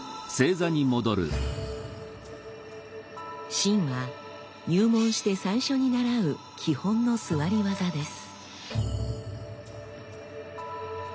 「真」は入門して最初に習う基本の座り技です。